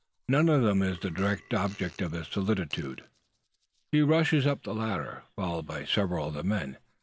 None of them is the object of his solicitude! He rushes up the ladder, followed by several of the men.